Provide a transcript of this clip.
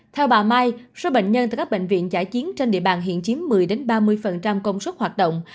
theo bà mai số bệnh nhân từ các bệnh viện giải chiến trên địa bàn hiện chiếm một mươi ba mươi công suất hoạt động